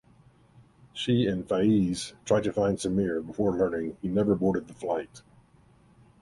She and Faiz try to find Sameer before learning he never boarded the flight.